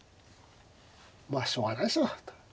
まあしょうがないでしょう。